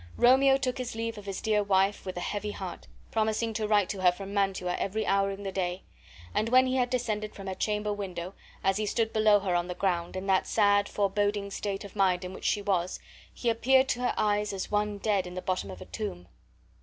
Romeo took his leave of his dear wife with a heavy heart, promising to write to her from Mantua every hour in the day; and when he had descended from her chamber window, as he stood below her on the ground, in that sad foreboding state of mind in which she was, he appeared to her eyes as one dead in the bottom of a tomb.